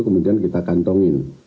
kemudian kita kantongin